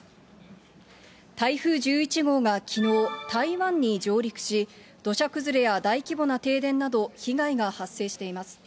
台風１１号がきのう、台湾に上陸し、土砂崩れや大規模な停電など、被害が発生しています。